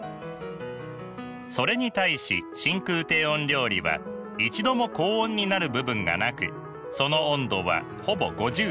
それに対し真空低温料理は一度も高温になる部分がなくその温度はほぼ５０℃。